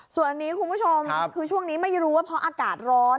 ส่วนอันนี้คุณผู้ชมคือช่วงนี้ไม่รู้ว่าเพราะอากาศร้อน